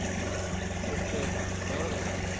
そしてやわらかくなってきた。